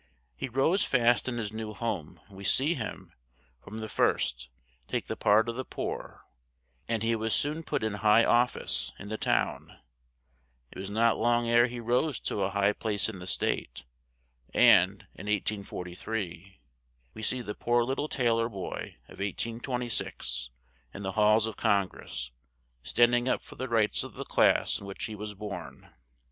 He rose fast in his new home; we see him, from the first, take the part of the poor; and he was soon put in high of fice in the town; it was not long ere he rose to a high place in the state, and, in 1843, we see the poor lit tle tail or boy of 1826 in the halls of Con gress, stand ing up for the rights of the class in which he was born.